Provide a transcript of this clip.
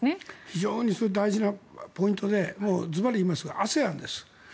非常に大事なポイントでズバリ言いますがＡＳＥＡＮです。